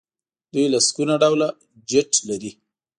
دوی لسګونه ډوله جیټ لري.